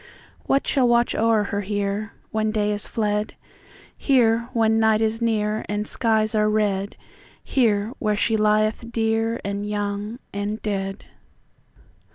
What shall watch o'er her hereWhen day is fled? Here, when the night is nearAnd skies are red; Here, where she lieth dearAnd young and dead.